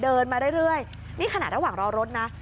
เดินมาเรื่อยนี่ขณะระหว่างรอรถนะ